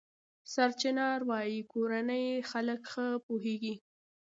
سرچران وايي کورني خلک ښه پوهېږي.